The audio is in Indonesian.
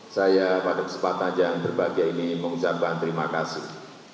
saya pada kesempatan yang berbahagia ini mengucapkan terima kasih